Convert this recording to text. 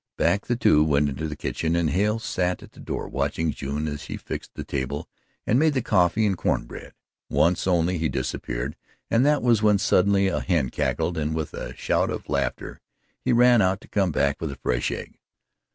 Back the two went into the kitchen and Hale sat at the door watching June as she fixed the table and made the coffee and corn bread. Once only he disappeared and that was when suddenly a hen cackled, and with a shout of laughter he ran out to come back with a fresh egg.